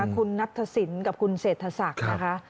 คุณนัทธศิลป์กับคุณเศรษฐศักดิ์นะคะ